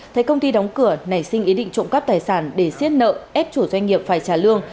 thấy công ty đóng cửa nảy sinh ý định trộm cắp tài sản để xiết nợ ép chủ doanh nghiệp phải trả lương